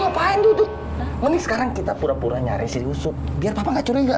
ngapain duduk menik sekarang kita pura pura nyari siusup biar nggak curiga